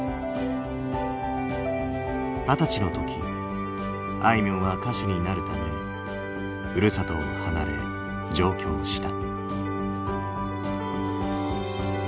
二十歳の時あいみょんは歌手になるためふるさとを離れ上京した。